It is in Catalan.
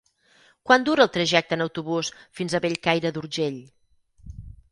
Quant dura el trajecte en autobús fins a Bellcaire d'Urgell?